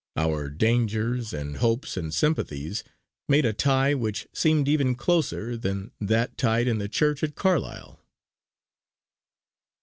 Our dangers and hopes and sympathies made a tie which seemed even closer than that tied in the church at Carlisle.